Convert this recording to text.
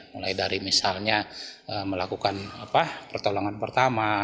mulai dari misalnya melakukan pertolongan pertama